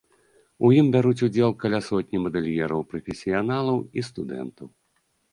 У ім бяруць удзел каля сотні мадэльераў-прафесіяналаў і студэнтаў.